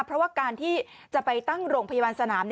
เพราะว่าการที่จะไปตั้งโรงพยาบาลสนาม